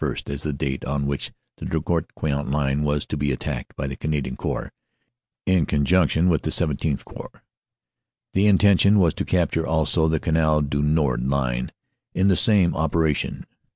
1 as the date on which the Drocourt Queant line was to be attacked by the Canadian Corps, in conjunction with the XVII Corps. The intention was to capture also the Canal du Nord line in the same operation.